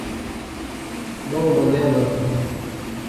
بہوں مندیاں دا